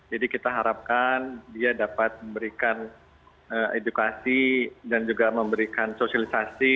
jadi kita harapkan dia dapat memberikan edukasi dan juga memberikan sosialisasi